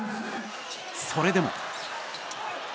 それでも。